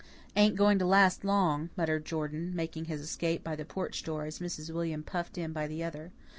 "Ain't going to last long," muttered Jordan, making his escape by the porch door as Mrs. William puffed in by the other.